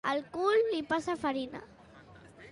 Al cul li passa farina.